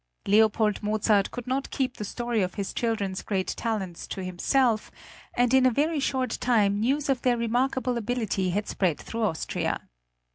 Leopold Mozart could not keep the story of his children's great talents to himself, and in a very short time news of their remarkable ability had spread through Austria.